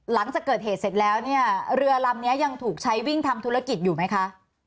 หลังจากเกิดเหตุเสร็จแล้วเนี่ยเรือลำนี้ยังถูกใช้วิ่งทำธุรกิจอยู่ไหมคะ